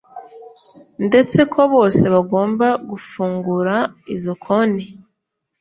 ndetse ko bose bagomba gufungura izo konti